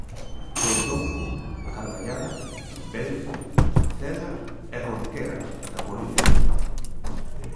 Pontón, Carballada, Vence, Cela e Jorquera, na Coruña.